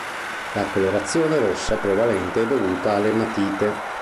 La colorazione rossa prevalente è dovuta all'ematite.